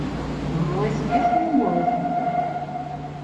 Было і смешна і боязна.